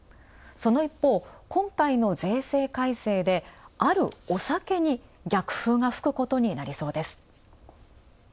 その一方、税制改正であるお酒に逆風が吹くことになりそうです。